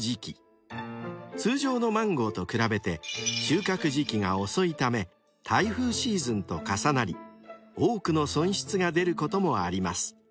［通常のマンゴーと比べて収穫時期が遅いため台風シーズンと重なり多くの損失が出ることもあります］